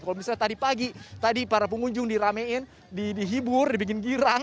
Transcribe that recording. kalau misalnya tadi pagi tadi para pengunjung diramein dihibur dibikin girang